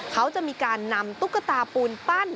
เขาจะมีการนำตุ๊กตาปูนปั้น